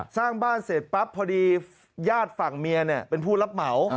สร้างบ้านเสร็จปั๊บพอดีญาติฝั่งเมียเป็นผู้รับเหมา